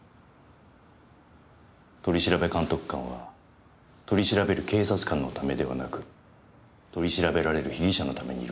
取調監督官は取り調べる警察官のためではなく取り調べられる被疑者のためにいるんですよ。